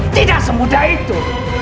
tidak semudah itu